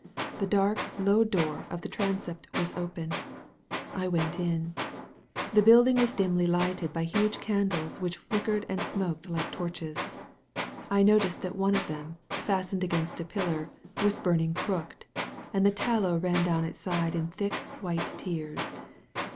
The dark, low door of the transept was open. I went m. The building was dimly lighted by huge candles which flickered and smoked like torches. I noticed that one of them, fastened against a pillar, was burning crooked, and the tal low ran down its side in thick white tears.